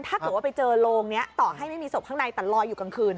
ถ้าเกิดว่าไปเจอโรงนี้ต่อให้ไม่มีศพข้างในแต่ลอยอยู่กลางคืน